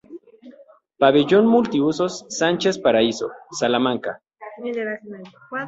Pabellón Multiusos Sánchez Paraíso, Salamanca.